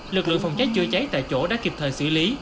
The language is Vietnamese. lực lượng phòng cháy chữa cháy tại chỗ đã kịp thời xử lý